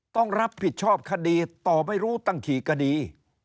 ต้องรับผิดชอบคดีต่อไม่รู้ตั้งกี่คดี